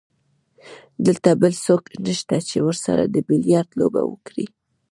دلته بل څوک نشته چې ورسره د بیلیارډ لوبه وکړي.